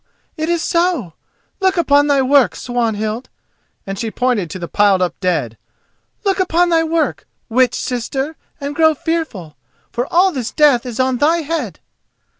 it is so; look upon thy work, Swanhild," and she pointed to the piled up dead—"look upon thy work, witch sister, and grow fearful: for all this death is on thy head!"